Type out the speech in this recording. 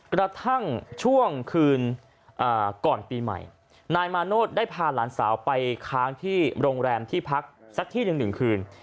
กระทั่งช่วงคืนก่อนปีใหม่นายมาโนธได้พาหลานสาวไปค้างที่โรงแรมที่พักสักที่หนึ่ง๑คืน